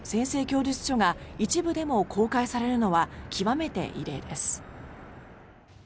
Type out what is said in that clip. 供述書が一部でも公開されるのは極めて異例です。